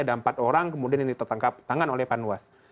ada empat orang kemudian yang ditetangkap tangan oleh panwas